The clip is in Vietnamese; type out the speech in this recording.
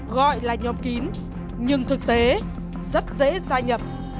gọi là nhóm kín nhưng thực tế rất dễ gia nhập